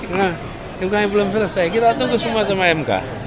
nah juga yang belum selesai kita tunggu semua sama mk